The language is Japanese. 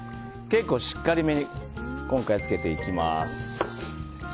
結構しっかりめに今回はつけていきます。